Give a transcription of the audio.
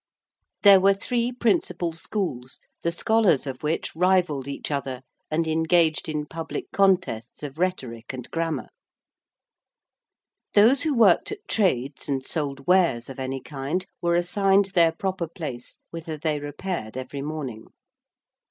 There were three principal schools, the scholars of which rivalled each other, and engaged in public contests of rhetoric and grammar. Those who worked at trades and sold wares of any kind were assigned their proper place whither they repaired every morning.